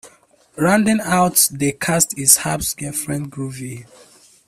Rounding out the cast is Hap's girlfriend, Groovia.